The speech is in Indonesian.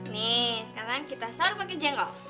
nih sekarang kita sor pake jengkol